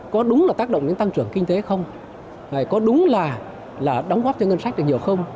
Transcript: có đúng là tác động đến tăng trưởng kinh tế không có đúng là đóng góp cho ngân sách được nhiều không